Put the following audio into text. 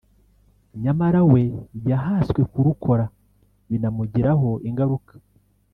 nyamara we yahaswe kurukora binamugiraho ingaruka